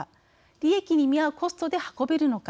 利益に見合うコストで運べるのか。